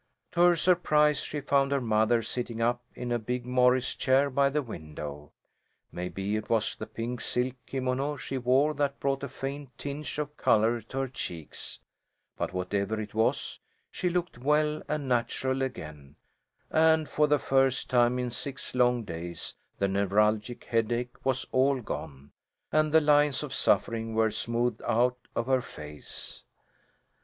To her surprise, she found her mother sitting up in a big Morris chair by the window. Maybe it was the pink silk kimono she wore that brought a faint tinge of colour to her cheeks, but whatever it was, she looked well and natural again, and for the first time in six long days the neuralgic headache was all gone, and the lines of suffering were smoothed out of her face.